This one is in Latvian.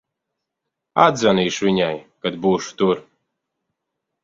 Atzvanīšu viņai, kad būšu tur.